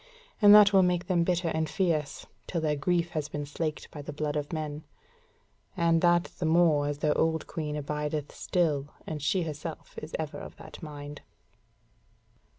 And that will make them bitter and fierce, till their grief has been slaked by the blood of men. And that the more as their old Queen abideth still, and she herself is ever of that mind."